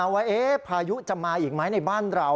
พายุจะมาอีกไหมในบ้านเรา